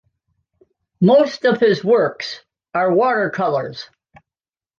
Most of his works are watercolours.